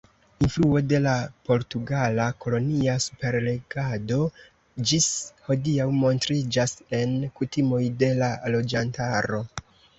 Influo de la portugala kolonia superregado ĝis hodiaŭ montriĝas en kutimoj de la loĝantaro.